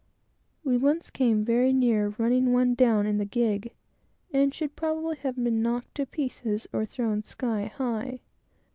We once came very near running one down in the gig, and should probably have been knocked to pieces and blown sky high.